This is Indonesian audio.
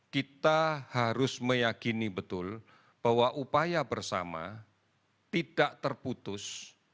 kita harus meyakini betul bahwa upaya bersama tidak terputus